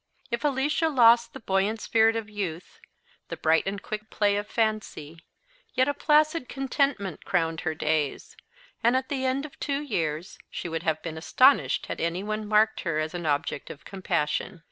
If Alicia lost the buoyant spirit of youth, the bright and quick play of fancy, yet a placid contentment crowned her days; and at the end of two years she would have been astonished had anyone marked her as an object of compassion.